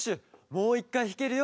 もう１かいひけるよ。